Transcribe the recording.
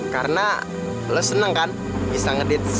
karena lo seneng kan bisa ngedit sepeda